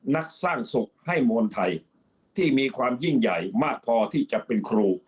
นักสร้างสุขให้มวลไทยที่มีความยิ่งใหญ่มากพอที่จะเป็นครู